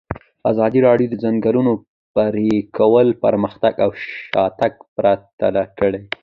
ازادي راډیو د د ځنګلونو پرېکول پرمختګ او شاتګ پرتله کړی.